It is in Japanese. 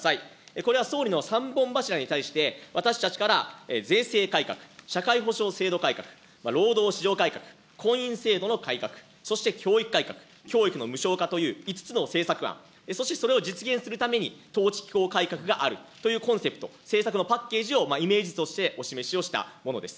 これは総理の３本柱に対して、私たちから税制改革、社会保障制度改革、労働市場改革、婚姻制度の改革、そして教育改革、教育の無償化という５つの政策案、そしてそれを実現するために統治機構改革があるというコンセプト、政策のパッケージをイメージ図としてお示しをしたものです。